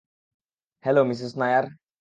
Hello, Mrs Nair.